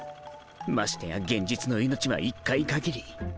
ましてや現実の命は一回かぎり。